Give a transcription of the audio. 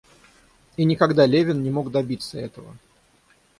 И никогда Левин не мог добиться этого.